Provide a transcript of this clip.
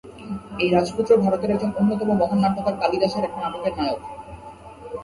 এই রাজপুত্র ভারতের একজন অন্যতম মহান নাট্যকার কালিদাসের একটা নাটকের নায়ক।